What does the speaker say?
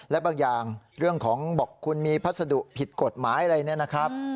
และบางอย่างเรื่องของบอกคุณมีพัสดุผิดกฎหมายอะไรเนี่ยนะครับ